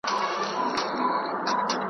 ځکه دا ټوټې بې شمېره دي لوېدلي .